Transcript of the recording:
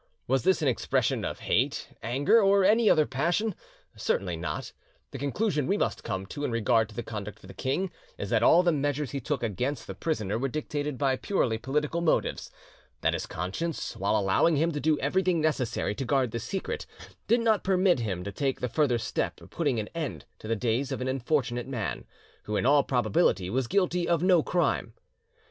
Was this an expression of hate, anger, or any other passion? Certainly not; the conclusion we must come to in regard to the conduct of the king is that all the measures he took against the prisoner were dictated by purely political motives; that his conscience, while allowing him to do everything necessary to guard the secret, did not permit him to take the further step of putting an end to the days of an unfortunate man, who in all probability was guilty of no crime.